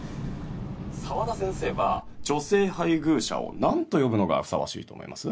沢田先生は女性配偶者を何と呼ぶのがふさわしいと思います？